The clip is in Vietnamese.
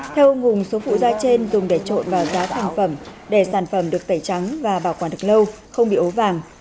theo ông hùng số phụ da trên dùng để trộn vào giá thành phẩm để sản phẩm được tẩy trắng và bảo quản được lâu không bị ấu vàng